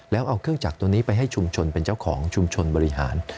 แล้วเอาเครื่องจักรตัวนี้ไปให้ชุมชนเป็นเจ้าของชุมชนบริหาร